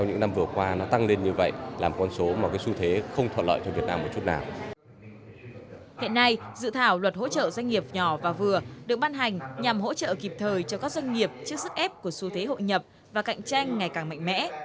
hiện nay dự thảo luật hỗ trợ doanh nghiệp nhỏ và vừa được ban hành nhằm hỗ trợ kịp thời cho các doanh nghiệp trước sức ép của xu thế hội nhập và cạnh tranh ngày càng mạnh mẽ